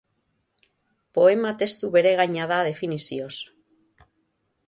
Poema testu beregaina da definizioz.